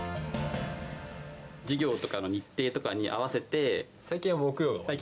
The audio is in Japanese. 授業とかの日程とかに合わせ最近は木曜。